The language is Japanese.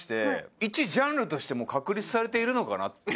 いちジャンルとして確立されているのかなっていう。